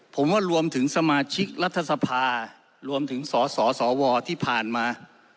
ผมว่ารวมถึงสมาชิกรัฐสภารวมถึงสสวที่ผ่านมา